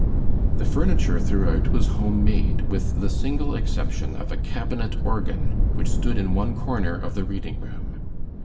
The furniture throughout was home made, with the single exception of a cabinet organ which stood in one corner of the reading room.